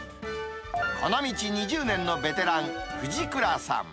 この道２０年のベテラン、藤倉さん。